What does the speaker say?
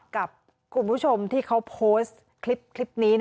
กับคุณผู้ชมที่เขาโพสต์คลิปนี้